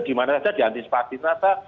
dimana saja diantisipasi nasa